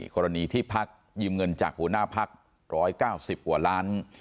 กรณีที่พักยืมเงินจากหัวหน้าพัก๑๙๐กว่าล้าน